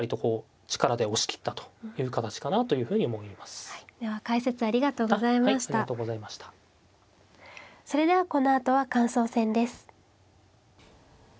それではこのあとは感想戦です。